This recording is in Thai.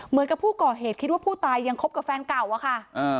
เหมือนกับผู้ก่อเหตุคิดว่าผู้ตายยังคบกับแฟนเก่าอะค่ะ